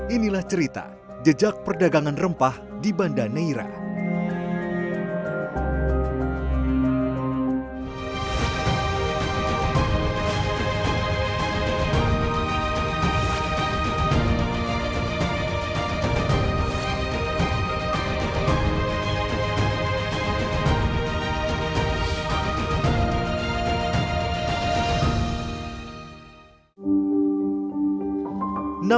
inilah cerita jejak perdagangan rempah di banda neira